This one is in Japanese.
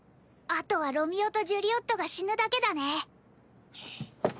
あとはロミ代とジュリ夫が死ぬだけだね。